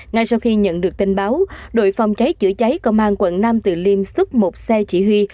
ngay sau khi nhận được tin báo đội phòng cháy chữa cháy công an quận nam từ liêm xuất một xe chỉ huy